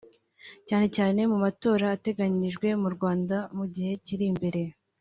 cyane cyane mu matora ateganijwe mu Rwanda mu gihe kiri imbere